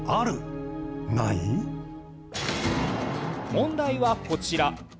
問題はこちら。